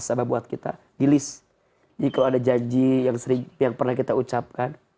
jadi kalau ada janji yang pernah kita ucapkan